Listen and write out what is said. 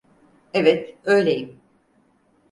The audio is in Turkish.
Evet, öyleyim.